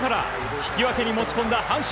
引き分けに持ち込んだ、阪神。